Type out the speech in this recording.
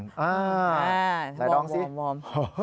เดี๋ยวร้องซิวอม